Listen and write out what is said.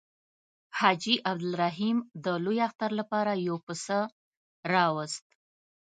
حاجي عبدالرحیم د لوی اختر لپاره یو پسه راووست.